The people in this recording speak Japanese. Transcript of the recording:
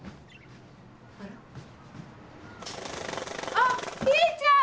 あっピーちゃん！